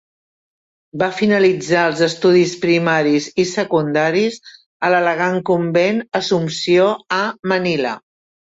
Va finalitzar els estudis primaris i secundaris a l'elegant convent Assumpció a Manila.